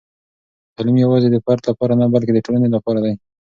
تعلیم یوازې د فرد لپاره نه، بلکې د ټولنې لپاره دی.